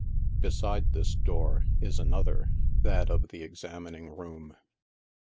Beside this door is an other, that of the examination room.